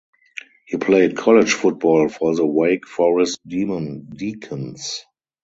He played college football for the Wake Forest Demon Deacons.